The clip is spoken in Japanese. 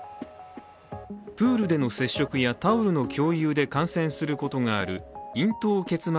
プールでの接触やタオルの共有で感染することがある咽頭結膜